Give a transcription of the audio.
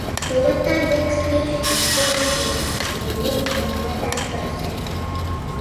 The Weta Legs page has since been removed from Weta's website.